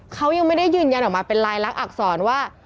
เขายังไม่ได้ยืนยันออกมาเป็นลายลักษณอักษรว่า